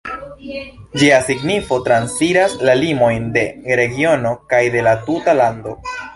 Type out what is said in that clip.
Ĝia signifo transiras la limojn de regiono kaj de la tuta lando.